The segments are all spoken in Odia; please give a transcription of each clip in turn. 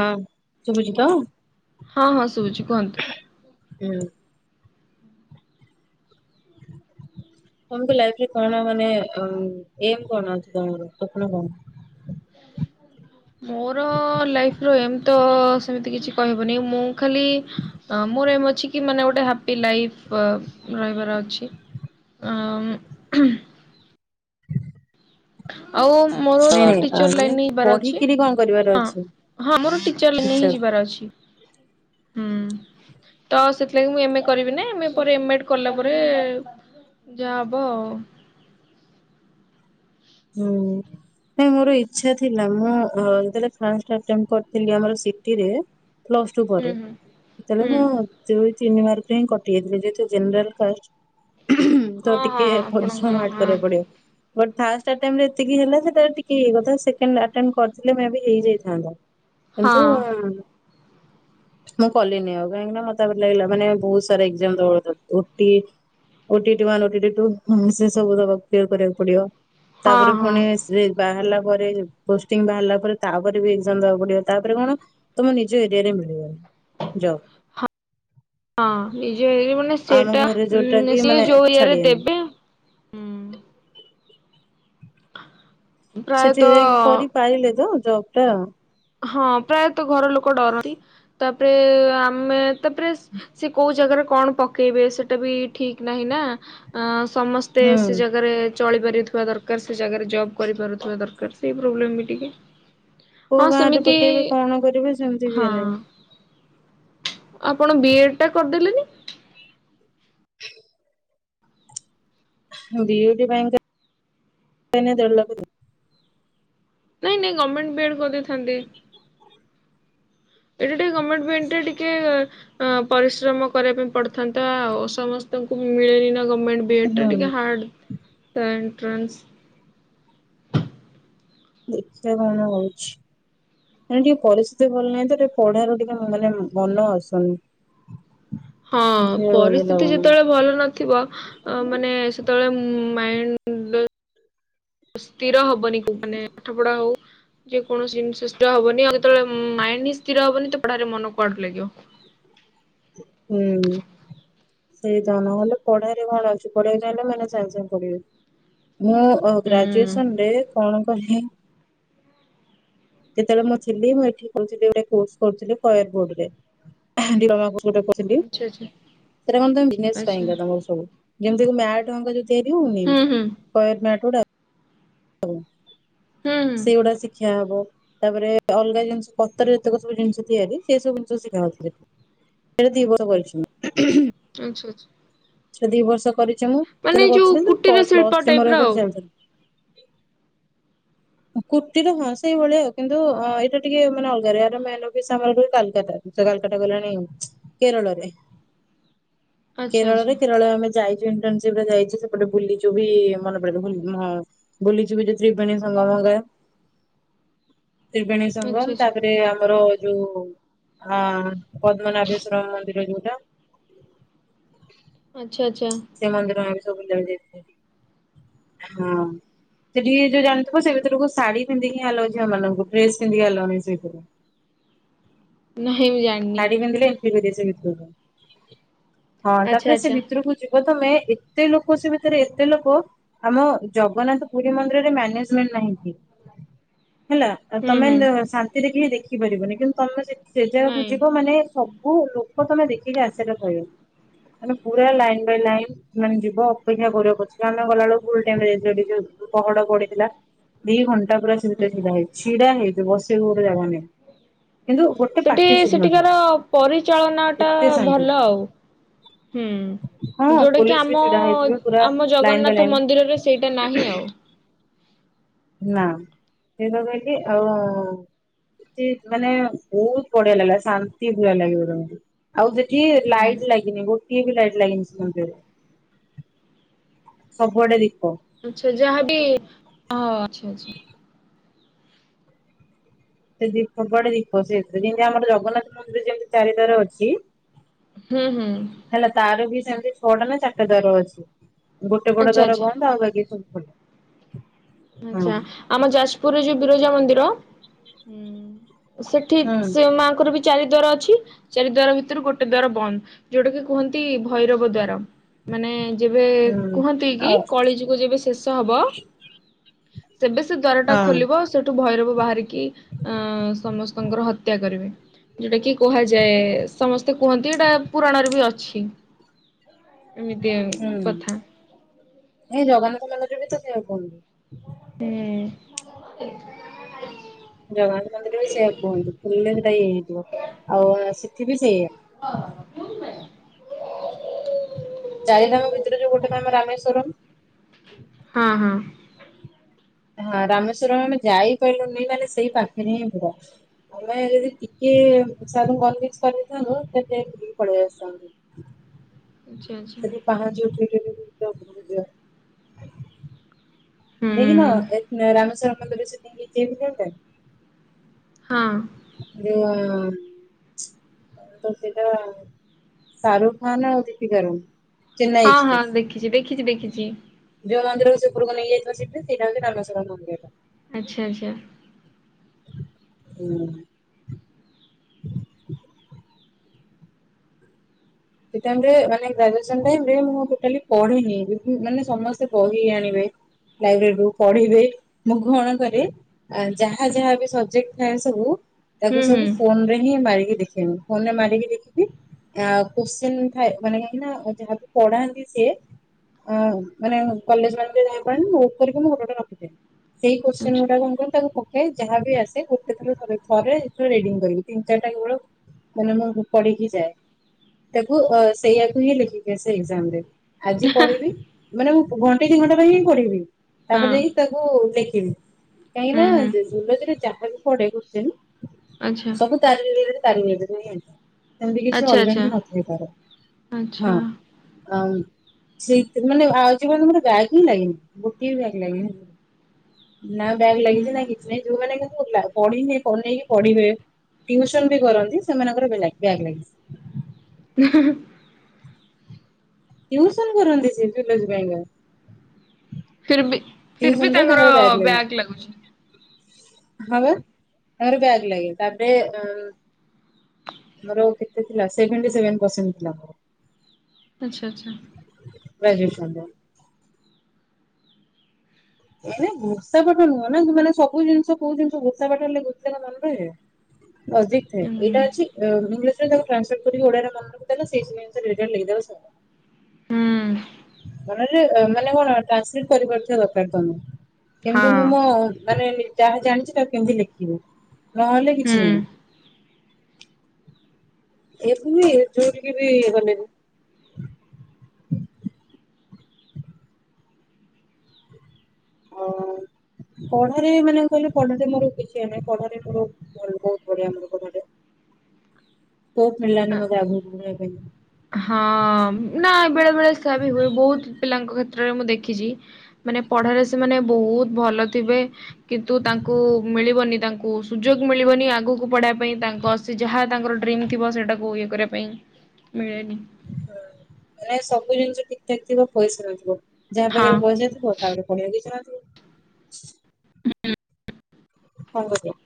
ହଁ । ଶୁଭୁଚି ତ। ହଁ, ହଁ। ଶୁଭଛି କୁହନ୍ତୁ। ହୁଁ। [inaudible] ତମକୁ ଲାଇଫରେ କଣ, ମାନେ ଏମ କଣ ଅଛି ତମର ସ୍ୱପ୍ନ କଣ? [unintelligible] ମୋର, ଲାଇଫ ର ଏମ ତ, ସେମିତି କିଛି କହିହବନି ମୁଁ ଖାଲି, ମୋର ଏମ ଅଛି କି, ମାନେ ଗୋଟେ ହାପି ଲାଇ ରହିବାର ଅଛି। ଅମ ହୂମ। ଆଉ ମୋର ନାଇଁ ନାଇଁ ଟିଚର ମାନେ ଲାଇନ ଯିବାର ଅଛି, ପଢିକିରି କଣ କରିବାର ହଁ। ଅଛି ହଁ ମୋର ଟିଚର ଲାଇନହିଁ, ଫ୍ୟୁଚର? ଯିବାର ଅଛି। ହୁଁ। [inaudible] ତ, ସେଥିଲାଗି ମୁଁ ଏମଏ କରିବି ନାଇଁ । ଏମେ ପରେ ଏମ ଏଡ୍ କଲା ପରେ ଯାହା ହବ ଆଉ। ହୁଁଉଁ, ହୁଁ ମୋର ଇଛା ଥିଲା। ମୁଁ ଯେତେ ବେଳେ ଫାର୍ଷ୍ଟ ଅଟେମ୍ପ କରିଥିଲି ଆମର ସିଟିରେ ପ୍ଲସ୍ ଟୁ ହୁଁ ପରେ, ହୁଁ ସେତେଳେ ହୁଁ। ମୁଁ ତିନି ମାର୍କରେ ହିଁ କଟିଯାଇଥିଲି, ଯେହତୁ ଜେନେରାଲ କାଷ୍ଟ ତ ହଁ ହଁ ଟିକେ ପରିଶ୍ରମ ଆପଣଙ୍କର ହାର୍ଟ ହଁ କରିବାକୁ ପଡିବ। ବଟ ଫାଷ୍ଟ ଅଟେମଟ ଏତିକି ହେଲା, ସେଟିକେ ଇଏ କଥା। ସେକେଣ୍ଡ ଆଟେମଟ କରିଥିଲେ ମେ ବି ହେଇଯାଇଥାନ୍ତା। ହଁ କିନ୍ତୁ ମୁଁ କଲିନି ଆଉ, କାହିଁକି ନା ମତେ ତା ପରେ ଲାଗିଲା ମାନେ ବହୁତ ସାରା ଏକ୍ସାମ ଦବା। ଓଟି ଓ ଟି ଇ ଟି ଭଲକି ଦେଇଦବୁ ସେ ସବୁ ଦେବାକୁ କ୍ଳିଅର କରିବାକୁ ପଡିବ। ହଁ ତାପରେ ହଁ ପୁଣି ସେଇ ବାହାରିଲା ପରେ ପୋଷ୍ଟିଂ ବାହାରିଲା ପରେ, ତାପରେ ବି ଏଜାମ ଦବାକୁ ପଡିବ। ତାପରେ କଣ ତମ ନିଜ ଏରିଆ ରେ ମିଳିବନି। ଜବ୍ ହଁ। ମାନେ ଆମ ସେଟା, ଘରେ ଯୋଉଟା କି ସିଏ ମାନେ ଯୋଉ ଏରିଆରେ ଛାଡିବେନି। ଦେବେ, ହୁଁ । [inaudible] ସେଠି ଯାଇକି କରିପାରିଲେ ତ, ଜବ ଟା। ହଁ ପ୍ରାୟତଃ ଘର ଲୋକ ଡରନ୍ତି। ତାପରେ ଆମେ ତାପରେ, ସେ କୋଉ ଜାଗାରେ କଣ ପକେଇବେ, ସେଟା ବି ଠିକ ନାହିଁ ନା। ସମସ୍ତେ ସେ ହୁଁ। ଜାଗାରେ ଚଳି ପାରୁଥିବା ଦରକାର ସେ ଜାଗାରେ ଜବ କରିପାରୁଥିବା ଦରକାର ସେଇ ପ୍ରୋବଲେ ବି ଟିକେ କୋଉ ହଁ ଗାଁ ରେ ସେମିତି ପକେଇବେ କଣ କରିବେ ସେମିତି ବି ହଁଅଁ ହେଲାଣି। ଆପଣ ବି ଏଡ ଟା କରିଦେଲେନି? ବି ଇ ବି ପାଇଁତ ଲକ୍ଷେ ନାଁ ଦେଢ଼ଲକ୍ଷ ଦେ ନାଇଁ ନାଇଁ ଗଭର୍ଣମେଣ୍ଟ ବିଡ କରିଦେଇଥାନ୍ତି ଏଇଟା ଟିକେ ଗଭର୍ଣ୍ମେଣ୍ଟ ରେ ଟିକେ ଅ ପରିଶ୍ରମ କରିବା ପାଇଁ ପଡିଥାନ୍ତା ଆଉ ସମସ୍ତଙ୍କୁ ମିଳିନି ନ ହୁଁ [unintelligible] ଦେଖିବା କଣ ହଉଛି? ଆଜ୍ଞା ପରିସ୍ଥିତି ଭଲ ନାହିଁ ତ ଟିକେ ପଢାରେ ଟିକେ ମାନେ ମନ ଆସୁନି ହଁ ଯୋଉ ଇଏ ପରିସ୍ଥିତି ଲାଗୁନି ଯେତେବେଳେ ଭଲ ନଥିବ ମାନେ ସେତେ ସେତେବେଳେ ମାଇଣ୍ଡ ସ୍ଥିର ହବନି ମାନେ ପାଠ ପଢା ହଉ ଯେକୌଣସି ଜିନିଷ ସ୍ଥିର ହବନି ଆଉଯେବେଳେ ମାଇଣ୍ଡ ହିଁ ସ୍ଥିର ହବନି ତ ପଢାରେ ମନ କୁଆଡୁ ଲାଗିବ। ହୁଁ। ସେଇଟା ନହଲେ ପଢେଇରେ କଣ ଅଛି ପଢିବାକୁ ଚାହିଁଲେ ମୁଁ ଏଇନା ସାଙ୍ଗେ ସାଙ୍ଗେ ପଢ଼ିବି। ମୁଁ ଉଁ ହୁଁ ଗ୍ରାଜୁଏସନ ରେ କଣ କଲି ଯେତେବେଳେ ମୁଁ ଥିଲି ମୁଁ ଏଠି କରୁଥିଲି ଗୋଟେ କୋର୍ସ କରୁଥିଲି କୟାର ବୋର୍ଡ ରେ [unintelligible] ସେଠୀ ସେଠୀ ଆଚ୍ଛା ଆଚ୍ଛା କଣ ତମେ ବିଜନେସ ଆଚ୍ଛା ପାଇଁକା ତମର ସବୁ ଯେମିତି ମ୍ୟାଟ ହେଙ୍କା ଡ଼େରିହଉନି ହୁଁ ହୁଁ [unintelligible] ମ୍ୟାଟ ଗୁଡା ହଉ ହୁଁ ହୁଁ ସେଗୁଡା ଶିକ୍ଷା ହବ ତାପରେ ଅଲଗା ଜିନିଷ ପତର ଯେତକ ସବୁ ଜିନିଷ ତିଆରି ସେ ସବୁ ଜିନିଷ ଶିଖାଯାଉଥିଲା। ଦି [unintelligible] ଆଚ୍ଛା ଆଚ୍ଛା ସେ ଦି ବର୍ଷ କରିଚି ମୁଁ ମାନେ ଯେବେଳେ ଯୋଉ କରିଥିଲି ପ୍ଲ କୁଟୀର ଶିଳ୍ପ ପ୍ଲସ ଥ୍ରୀ ଟାଇପ ମୋର ର ଆଉ ଏପଟେ ଚାଲିଥିଲା [unintelligible] କୁଟୀର ହଁ ସେଇ ଭଳିଆ କିନ୍ତୁ ଏଇଟା ଟିକେ ମାନେ ଅଲଗରେ ୟାର ମେନ ଅଫିସ ଆମର ଏଠି କଲକାତା ସେ କାଲକାଟା ଗଲେଣି କେରଳରେ ଆଚ୍ଛା କେରଳରେ ଆଚ୍ଛା କେରଳରେ ଆମେ ଯାଇଚୁ ଇଣ୍ଟେରଣସିପ ରେ ଯାଇଚୁ ସେପଟେ ବୁଲିଚୁ ବି ମନେ ପଡିବ ବୁଲ ହଁ ବୁଲିଚୁବି ଯୋଉ ତ୍ରିବେଣୀ [unintelligible] ତ୍ରିବେଣୀ ସଙ୍ଗମ ତାପରେ ଆମର ଯୋଉ ଆ ପଦ୍ମନାଭେଶ୍ଵର ମନ୍ଦିର ଯୋଉଟା [unintelligible] ସେ ମନ୍ଦିର ଆମେ ସବୁ ବୁଲିବାକୁ ଯାଇଥିଲୁ ହଁ। ସେଠି ଯୋଉ ଜାଣିଥିବ ସେ ଭିତରେକୁ ଶାଢୀ ପିନ୍ଧିକି ଆଲାଉ ଝିଅ ମାନଙ୍କୁ ଡ୍ରେସ ପିନ୍ଧିକି ଆଲାଉ ନାହିଁ ସେଭିତରକୁ। [unintelligible] ନାହିଁ ମୁଁ ଜାଣିନି। ଟିଭି ରେ ସେମିତି କହୁଥିଲା ହଁ ଆଚ୍ଛା ତାପରେ ସେ ଆଚ୍ଛା ଭିତରକୁ ଯିବୁ ପ୍ରଥମେ ଏତେ ଲୋକ ସେ ଭିତରେ ଏତେ ଲୋକ ଆମ ଜଗନ୍ନାଥ ପୁରୀ ମନ୍ଦିରରେ ମ୍ୟାନେଜମେଣ୍ଟ ନାହିଁ। ଆଜ୍ଞା। ହେଲା ହୁଁ ତମେ ହୁଁ ନ ଶାନ୍ତିରେ କେହି ଦେଖିପାରିବନି। କିନ୍ତୁ ତମେ ସେ ଜାଗାକୁ ନାଇଁ ଯିବ ମାନେ ସବୁ କଉ ଲୋକ ତମେ ଦେଖିକି ଆସିଲ କହିବ ମାନେ ପୁରା ଲାଇନ ଲାଇନ ମାନେ ଯିବ ଅପେକ୍ଷା କରିବା ପଛକେ ଆମେ ଗଲାବେଳକୁ ଟାଇମ୍ ହେଇଯାଇଥିଲା ପହଡ଼ ପଡି ଥିଲା ଦି ଘଣ୍ଟା ପୁରା ସେ ଭିତରେ ଛିଡା ହେଇଛି ଛିଡା ହେଇଛି ବସିବାକୁ କଉଠି ଜାଗା ନାହିଁ। କିନ୍ତୁ ଗୋଟେ ସେଠି ପାଟି ଶୁଭୁନଥିଲା ସେଠିକାର ପରିଚାଳନା ଟା ଏତେ ଶାନ୍ତି ଭଲ ଆଉ। ହୁଁ ହଁ ଯୋଉଟା କି ପୋଲିସ ବି ଆମ ଛିଡା ଅ ହେଇଥିବେ ପୁରା ଆମ ଲାଇନ ବାଇ ଜଗନ୍ନାଥ ଲାଇନ ମନ୍ଦିରରେ ସେଇଟା ନାହିଁ ଆଉ। ନା ସେଇଟା କହିଲି ଆଉ ସେଠି ମାନେ ବହୁତ ବଢିଆ ଲାଗିଲା ଶାନ୍ତି ପୁରା ଲାଗିବ ତମକୁ। ଆଉ ସେଠି ହୁଁ ଲାଇଟ ଲାଗିନି ଗୋଟିଏ ବି ଲାଇଟ ଲାଗିନି ସେ ମନ୍ଦିରେ ସବୁଆଡେ ଦୀପ ଆଚ୍ଛା ଯାହାବି ଅ ଆଚ୍ଛା ଆଚ୍ଛା। ସେ ଦୀପ ବଡେ ଦୀପ ସେଥିରେ ଯେମତି ଆମର ଜଗନ୍ନାଥ ମନ୍ଦିର ଯେମିତି ଚାରି ଦ୍ଵାର ଅଛି ହୁଁ ହୁଁ ହେଲା ତାର ବି ସେମିତି ଛଅଟା ନା ଚାରିଟା ଦ୍ୱାର ଅଛି। ଗୋଟେ ପଟ ଆଚ୍ଛା ଦ୍ୱାର ଆଚ୍ଛା ବନ୍ଦ ଆଉ ବାକି ସବୁ ଖୋଲା। ହଁ ଆଛା ଆମ ଯାଜପୁରରେ ଯୋଉ ବିରଜା ମନ୍ଦିର ସେଠି ହୁଁ ସେ ମାଆଙ୍କର ବି ଚାରି ଦ୍ଵାର ଅଛି ଚାରି ଦ୍ଵାର ଭିତରୁ ଗୋଟେ ଦ୍ଵାର ବନ୍ଦ ଯୋଉଟା କି କୁହନ୍ତି ଭୈରବ ଦ୍ଵାର। ମାନେ ଯେବେ ହୁଁ କୁହନ୍ତି କି ଆଉ କଳି ଯୁଗ ଯେବେ ଶେଷ ହବ ସେବେ ସେ ଦ୍ଵାରଟା ହଁ ଖୋଲିବ ସେଠୁ ଭୈରବ ବାହାରିକି ଅ ସମସ୍ତଙ୍କର ହତ୍ୟା କରିବେ। ଯୋଉଟା କି କୁହାଯାଏ ସମସ୍ତେ କୁହନ୍ତି ଏଇଟା ପୁରାଣରେ ବି ଅଛି। ଏମିତି କଥା। ଏଇ ଜଗନ୍ନାଥ ମନ୍ଦିରରେ ବି ତ ସେଇୟା କୁହନ୍ତି। ହୁଁ । ଜଗନ୍ନାଥ ମନ୍ଦିର ବି ସେଇଆ କୁହନ୍ତୁ ଫୁଲରେଟାଇ ହେଇଥିବ ଆଉ ସେଠି ବି ସେଇଆ। ଚାରି ଧାମ ଭିତରେ ଯୋଉ ଗୋଟେ ଧାମ ରାମେଶ୍ଵରମ। ହଁ ହଁ। ହଁ ରାମେଶ୍ଵରମ ଆମେ ଯାଇ ପରିଲୁନି ମାନେ ସେଇ ପାଖରେ ହିଁ ପୁରା ଆମେ ଯଦି ଟିକେ ଟିକେ ସାର୍ ଙ୍କୁ କନଭିନ୍ସ କରି ଦେଇଥାନ୍ତୁ ଦେନ୍ ଯାଇକି ବୁଲିକି ପଳେଇ ଆସି ଥାଆନ୍ତୁ। ଆଚ୍ଛା ଆଚ୍ଛା ସେଠି ପାହଚ ଉଠିକି ପୁରା ଉପରକୁ ଯାଉ। ହୁଁ ଦେଖିନ ଏ ରାମେଶ୍ଵର ମନ୍ଦିର ସେଠି [unintelligible] ହଁ। ଏ ଅ ତ ସେଇଟା ଶାହାରୁଖ ଖାନ ଆଉ ଦିପିକାର । ହଁ ହଁ ଦେଖିଛି ଦେଖିଛି ଦେଖିଛି। ଯୋଉ ମନ୍ଦିରର ସେ ଉପରକୁ ନେଇକି ଯାଇଥିଲା ସେଇଠି ସେଇଟା ହଉଛି ରାମେଶ୍ୱର ମନ୍ଦିରଟା। ଆଚ୍ଛା ଆଚ୍ଛା। ହୁଁ। ହ। ସେଇ ଟାଇମ ରେ ମାନେ ଗ୍ରାଜୁଏସନ ଟାଇମ୍ ରେ ମୁଁ ଟୋଟାଲି ପଢିନି ମାନେ ବିଲ ସମସ୍ତେ ବହି ଆଣିବେ। ଲାଇବ୍ରେରୀରୁୁ ପଢିବେ ମୁଁ କଣ କରେ ଯାହା ଯାହା ବି ସବଜେକ୍ଟ ଥାଏ ସବୁ ହୁଁ ତାକୁ ହୁଁ ସବୁ ଫୋନ ରେ ହିଁ ମାରିକି ଦେଖେଇନି ଫୋନରେ ମାରିକି ଦେଖିକି ଆ କୋଞ୍ଚିଁନ ଥାଏ ମାନେ କାହିଁକିନା ଯାହାକୁ ପଢାନ୍ତି ସେ ଅ ମାନେ କଲେଜ ମାନେ ଯାଇ ପାରେନି ବୁକ୍ କରିକି ମୁଁ ଗୋଟେ ଗୋଟେ ରଖେ। ସେଇ କୋ୍ଚନ ଆଛା ଗୁଡାକ ମୁଁ କଣ କରେ ତାକୁ କପି ଯାହା ବି ଆସେ ଗୋଟେ ଥ ଥରେ ରିଡିଙ୍ଗ କରିବି ତିନି ଚାରିଟା କେବଳ ମାନେ ମୁଁ ପଢ଼ିକି ଯାଏ। ତାକୁ ସେଇଆକୁ ହିଁ ଲେଖିକି ସେ ଏଜାମରେ ଆଜି ପଢିବି ମାନେ ମୁଁ ଘଣ୍ଟେ ଦି ଘଣ୍ଟା ପାଇଁ ହିଁ ପଢିବି ହଁ ତାପରେ ଯାଇକି ତାକୁ ଲେଖିବି। କାହିଁକି ହୁଁ ନା ହୁଁ ଯୁ ଯୁଲୋଜି ରେ ଯାହା ବି ପଡ଼େ କ୍ୱେଷ୍ଟିନ୍ ଆଚ୍ଛା ପଡେ ସବୁ ତାରି ରି ତାହାରି ରିଲେଟେଟ୍ ହିଁ ମୁଁ ଜାଣିଛି। ଆଚ୍ଛା ଆଚ୍ଛା ଆଚ୍ଛା ଆମ୍। ସେଇଥି ମାନେ ଆଉ ଯୋଉ ମୋ ବ୍ୟାଗ୍ ହିଁ ଲାଗେନି ଗୋଟେ ବ୍ୟାଗ ଲାଗେ ନା ବ୍ୟାଗ୍ ଲାଗିଛି ନା କିଛି ନାଇଁ ଯୋଉମାନେ କିନ୍ତୁ ପଢିନେ ବନେଇକି ପଢିବେ ଟିଉସନ ବି କରନ୍ତି ସେମାନଙ୍କର ବେ ବ୍ୟାଗ ଲାଗେ। ହେଁ ହେଁ। ଟିଉସନ କରନ୍ତି ସେ ଜୁଲୋଜି ପାଇଁ କା। ଫିର୍ ବି ଏ ଫିର୍ ବି ସୁନ୍ଦର ତାଙ୍କର ବ୍ୟାଗ୍ ଲାଗେ। ବ୍ୟାକ୍ ଲାଗୁଛି। ହ ବା ତାଙ୍କର ବ୍ୟାଗ ଲାଗେ ତାପରେ ଅ ମୋର କେତେ ଥିଲା ସିଭେଣ୍ଟି ସେଭେନ ପର୍ସେଣ୍ଟ ଥିଲା। ଆଚ୍ଛା ଆଚ୍ଛା। ଗ୍ରାଜୁଏସନ ର। ଏ ଘୋଷା ପାଠ ନୁହଁ ନା ମାନେ ସବୁ ଜିନିଷ କୋଉ ଜିନିଷ ଘୋଷା ପାଠ ହେଲେ ଘୋଷିଦେଲେ ମନେରହେ। ଲଜିକ ଥାଏ ହୁଁ ହଁ ଏଇଟା ଅଛି ଅ ଇଙ୍ଗ ଟ୍ରାନ୍ସଲେଟ କରି ଓଡ଼ିଆରେ ମନେରଖି ଦେଲ ସେଇଟା ଲେଖି ଦବ ସରିଲା। ହୁଁ। ମ ମାନେ କଣ ଟ୍ରାନ୍ସଲେଟ କରିପାରୁଥିବା ଦରକାର ତମେ। କେମିତି ମୁଁ ମୋ ମାନେ ଯାହା ଜାଣିଛି ତାକୁ କେମିତି ଲେଖିବି। ନହେଲେ କିଛି ନାହିଁ। ଏଇ ଠୁବି ଯୋଉଠିକି ଗଲେ ବି। ହଉ। ପଢାରେ ମାନେ କହିଲେ ପଢାରେ ମୋର କିଛି ଇଏ ନାହିଁ ପଢାରେ ମୋର ବହୁତ ବଢିଆ ମୋର ପଢାରେ। ହୋପ୍ ମିଳିଲାନି ମୋତେ ଆଗକୁ ବଢିବା ପାଇଁ। ହଁ ନା ବେଳେ ବେଳେ ସେଆ ବି ହୁଏ ବହୁତ ପିଲାଙ୍କ କ୍ଷେତ୍ର ମୁଁ ଦେଖିଛି ମାନେ ପଢାରେ ସେମାନେ ବହୁତ ଭଲ ଥିବେ କିନ୍ତୁ ତାଙ୍କୁ ମିଳିବନି ତାଙ୍କୁ ସୁଯୋଗ ମିଳିବନି। ଆଗକୁ ପଢିବା ପାଇଁ ତାଙ୍କ ସେ ଯାହା ତାଙ୍କର ଡ୍ରିମ୍ ଥିବ ସେଇଟାକୁ ଇଏ କରିବା ପାଇଁ। ମିଳେନି ହଁ ମାନେ ସବୁ ଜିନିଷ ଠିକ୍ ଠାକ୍ ଥିବ ପଇସା ନଥିବ। ଯାହା ହଁ। ପାଖରେ ପଇସା ଥିବ ତାପରେ ପଢିବାକୁ ଇଚ୍ଛା ନଥିବ। ହୁ ହୁ। ହଳଦିଆ।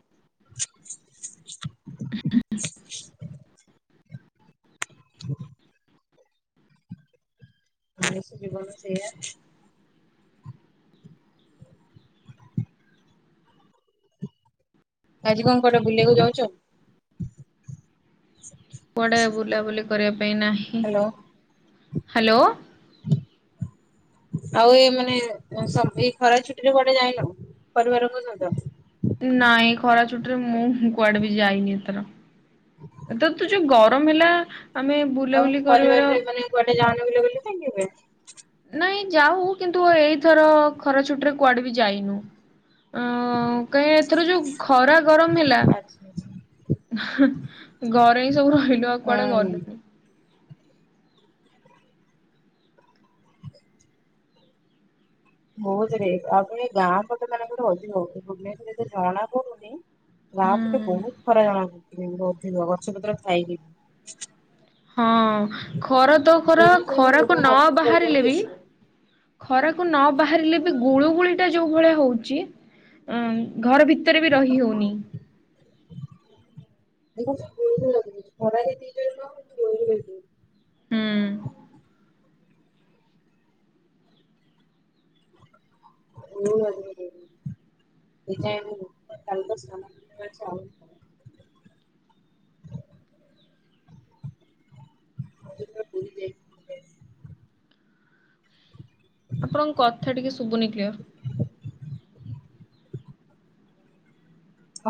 [inaudible] ଆ ସେ ଜୀବନ ସେଇଆ। ଆଜି କଣ କୁଆଡେ ବୁଲିବାକୁ ଯାଉଚ। କୁଆଡେ ବୁଲାବୁଲି କରିବା ପାଇଁ ନାହିଁ ହ୍ୟାଲୋ ହାଲୋ। [inaudible] ଆଉ ଏ ମାନେ ସଭିଏଁ ଖରା ଛୁଟିରେ କୁଆଡେ ଯାଇନ ପରିବାରଙ୍କ ସହିତ। ନାଇଁ ଖରା ଛୁଟିରେ ମୁଁ କୁଆଡେ ବି ଯାଇନି ଏଥର। ଏଥର ତ ଯୋଉ ଗରମ ଗରମ ହେଲା। ଆମେ ଆଉ ବୁଲାବୁଲି କରିବାର ପରିବାରରେ ମାନେ କୁଆଡେ ଯାଉନ ବୁଲାବୁଲି ପାଇଁ। ନାଇଁ ଯାଉ କିନ୍ତୁ ଏଇଥର ଖରା ଛୁଟି ରେ କୁଆଡେ ବି ଯାଇନୁ। ଅଁ କାଇଁ ଏଥର ଯୋଉ ଖରା ଗରମ ହେଲା। ଆଚ୍ଛା ଆଚ୍ଛା ଘରେ ହିଁ ସବୁ ରହିଲୁ ଆଉ କୁଆଡେ ହୁଁ। ଗଲୁଣି। ବହୁତରେ ଆଉ ଏ ଗାଁ ପଟ ମାନଙ୍କରେ ଅଧିକ ଭୁବନେଶ୍ଵରରେ ଏତେ ଜଣା ପଡୁନି। ଗାଁ ପଟେ ହୁଁ ବହୁତ ଖରା ଜଣାପଡୁଚି ଅଧିକ ଗଛପତ୍ର ଥାଇକିବି ହଁ ଖରା ତ ଖରା ଭୁବନେଶ୍ୱରରେ ମୋ ଖରାକୁ ଲୋକମାନେ ନ ଅଫିସରେ ବାହାରିଲେ ରହିଯାନ୍ତି ବି ଏସି ରେ। ଖରାକୁ ନ ବାହାରିଲେ ବି ଗୁଳୁ ଗୁଳି ଟା ଯୋଉ ଭଳିଆ ହଉଛି। ଉଁ ଘର ଭିତରେ ବି ରହି ହଁ ହଉନି। ଗୁଳୁ ଗୁଳି ଲାଗୁଛି। ଖରାରେ ହୁଁ [unintelligible] [inaudible] ମୁଁ [unintelligible] ଏ ଟାଇମ୍ ମୁଁ [unintelligible] [inaudible] ପୁରୀ ଯାଇଥିଲି। ଆପଣଙ୍କ କଥା ଟିକେ ଶୁବୁନି କ୍ଲିୟର।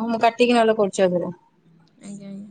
ହଁ ମୁଁ କାଟିକି ନହେଲେ କରୁଛି ଆଉ ଥରେ। ଆଜ୍ଞା ଆଜ୍ଞା।